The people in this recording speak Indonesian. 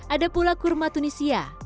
ada pula kurma tunisia